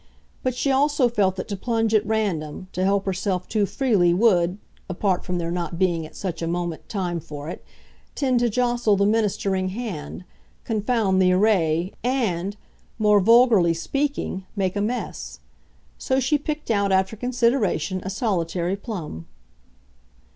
But she also felt that to plunge at random, to help herself too freely, would apart from there not being at such a moment time for it tend to jostle the ministering hand, confound the array and, more vulgarly speaking, make a mess. So she picked out, after consideration, a solitary plum.